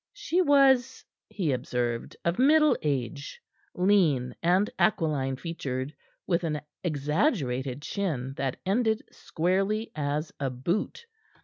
She was, he observed, of middle age, lean and aquiline featured, with an exaggerated chin, that ended squarely as boot.